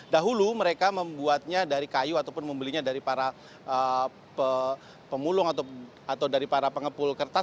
dahulu mereka membuatnya dari kayu ataupun membelinya dari para pemulung atau dari para pengepul kertas